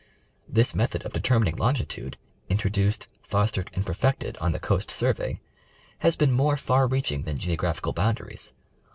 This method of determining longitude, introduced, fostered and perfected on the Coast Survej^, has been more far reaching than geographical boundaries.